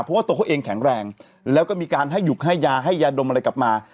เพราะว่าตัวเขาเองแข็งแรงแล้วก็มีการให้หยุกให้ยาให้ยาดมอะไรกลับมา